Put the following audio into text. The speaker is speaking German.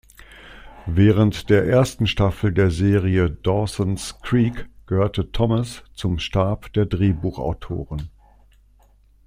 Während der ersten Staffel der Serie "Dawson’s Creek" gehörte Thomas zum Stab der Drehbuchautoren.